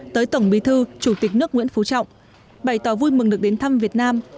tới tổng bí thư chủ tịch nước nguyễn phú trọng bày tỏ vui mừng được đến thăm việt nam